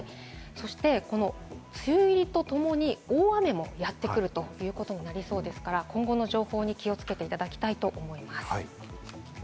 梅雨入りとともに大雨もやってくるということになりそうですから、今後の情報に気をつけていただきたいと思います。